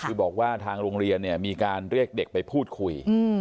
คือบอกว่าทางโรงเรียนเนี่ยมีการเรียกเด็กไปพูดคุย